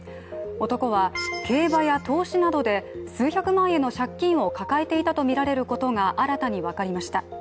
男は競馬や投資などで、数百万円の借金を抱えていたとみられることが新たに分かりました。